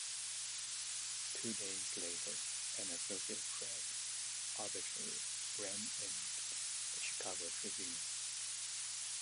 Two days later, an Associated Press obituary ran in the "Chicago Tribune".